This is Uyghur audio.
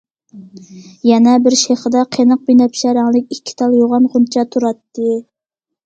يەنە بىر شېخىدا قېنىق بىنەپشە رەڭلىك ئىككى تال يوغان غۇنچە تۇراتتى.